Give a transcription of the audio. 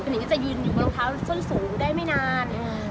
หิงก็จะยืนอยู่บนรองเท้าส้นสูงได้ไม่นาน